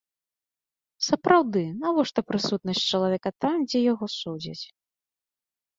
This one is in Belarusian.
Сапраўды, навошта прысутнасць чалавека там, дзе яго судзяць?